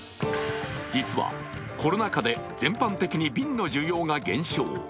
実はコロナ禍で全般的に瓶の需要が減少。